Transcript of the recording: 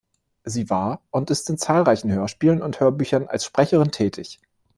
Sie war und ist in zahlreichen Hörspielen und Hörbüchern als Sprecherin tätig.